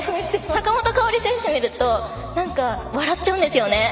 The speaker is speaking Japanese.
坂本花織選手見るとなんか、笑っちゃうんですよね。